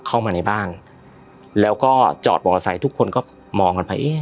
เข้ามาในบ้านแล้วก็จอดมอเตอร์ไซค์ทุกคนก็มองกันไปเอ๊ะ